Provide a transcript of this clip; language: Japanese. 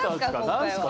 何すか？